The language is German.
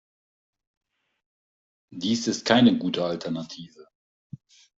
Dies ist keine gute Alternative.